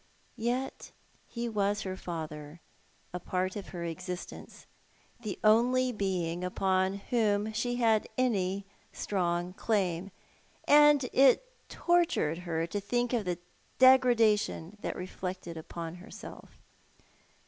Yet he was her father, a jmrt of her existence, the only being upon whom she had any strong claim ; and it tortured her to think of degradation that reflected upon herself.